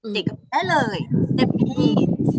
ได้เลยแต่พี่